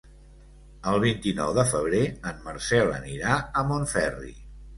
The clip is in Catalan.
El vint-i-nou de febrer en Marcel anirà a Montferri.